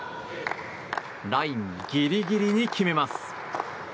ラインギリギリに決めます。